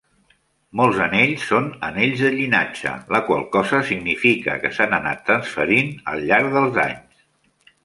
Molts anells són anells de "llinatge", la qual cosa significa que s'han anat transferint al llarg dels anys.